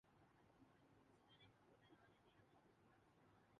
مسحور کن خصوصی اثرات سے ناظرین بہت محظوظ ہوئے